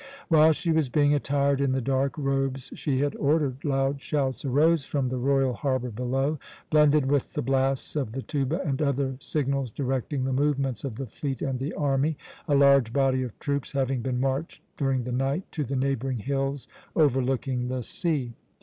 While she was being attired in the dark robes she had ordered, loud shouts arose from the royal harbour below, blended with the blasts of the tuba and other signals directing the movements of the fleet and the army, a large body of troops having been marched during the night to the neighbouring hills overlooking the sea.